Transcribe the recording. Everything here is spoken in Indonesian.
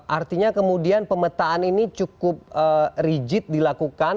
artinya kemudian pemetaan ini cukup rigid dilakukan